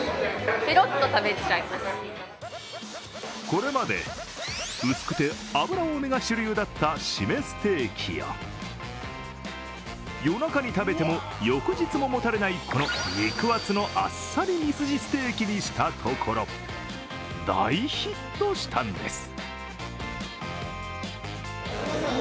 これまで薄くて脂多めが主流だったシメステーキを夜中に食べても翌日ももたれないこの肉厚のあっさりミスジステーキにしたところ大ヒットしたんです。